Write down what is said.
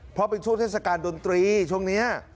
เพราะเป็นช่วงเทศกาลดนตรีช่วงนี้